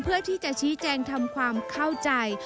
เพื่อที่จะชี้แจงทำความเข้าใจ